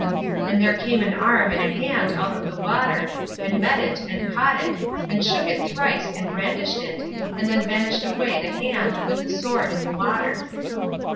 And there came an arm and a hand out of the water, and met it, and caught it, and shook it thrice and brandished it, and then vanished away the hand with the sword in the water.